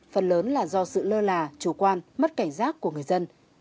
phần lớn là do sự lơ là chủ quan mất cảnh giác của người dân